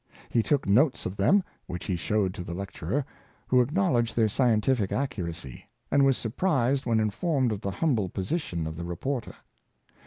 He 256 Davy. took notes of them, which he showed to the lecturer, who acknowledged their scientific accuracy, and was surprised when informed of the humble position of the reporter.